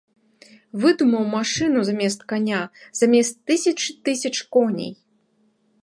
Выдумаў машыну замест каня, замест тысячы тысяч коней.